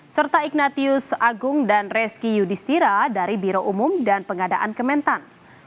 serta ignatius agung dan reski yudhistira dari biro umum dan pengadaan kementan